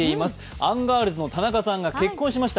アンガールズの田中さんが結婚しました。